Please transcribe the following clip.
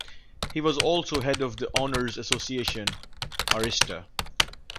He was also head of the Honors Association, Arista.